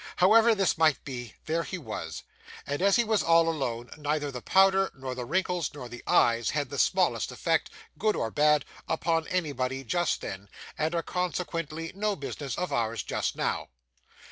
However this might be, there he was; and as he was all alone, neither the powder, nor the wrinkles, nor the eyes, had the smallest effect, good or bad, upon anybody just then, and are consequently no business of ours just now.